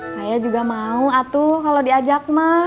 saya juga mau atu kalau diajak mah